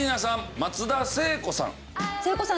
松田聖子さん。